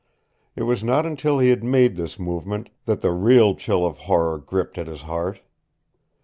It was not until he had made this movement that the real chill of horror gripped at his heart.